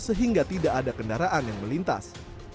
sehingga tidak ada kendaraan yang melintas